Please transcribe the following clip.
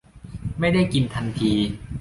ไม่ได้กินทันที